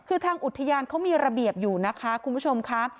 คือทางอุทยานเขามีระเบียบอยู่นะคะคุณผู้ชมค่ะ